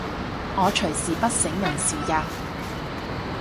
我隨時不省人事㗎